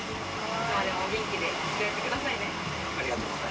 いつまでもお元気でずっとやってくださいね。